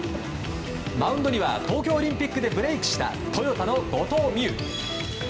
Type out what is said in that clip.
マウンドには東京オリンピックでブレークしたトヨタの後藤希友。